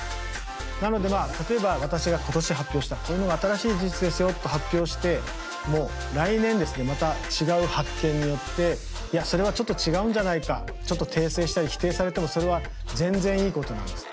なのでまあ例えば私が今年発表したこういうのが新しい事実ですよと発表しても来年ですねまた違う発見によっていやそれはちょっと違うんじゃないかちょっと訂正したり否定されてもそれは全然いいことなんです。